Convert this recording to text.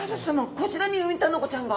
こちらにウミタナゴちゃんが？